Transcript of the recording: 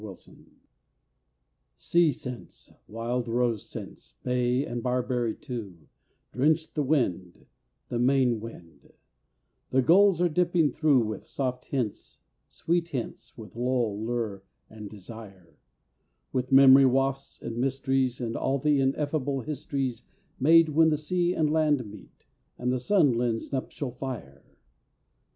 FULL TIDE Sea scents, wild rose scents, Bay and barberry too, Drench the wind, the Maine wind, That gulls are dipping thro, With soft hints, sweet hints, With lull, lure and desire; With memory wafts and mysteries, And all the ineffable histories Made when the sea and land meet, And the sun lends nuptial fire.